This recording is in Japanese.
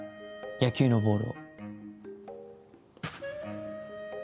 野球のボール。